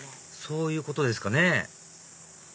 そういうことですかね